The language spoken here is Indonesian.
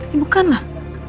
eh bukan lah